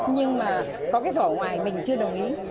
nhưng mà có cái vỏ ngoài mình chưa đồng ý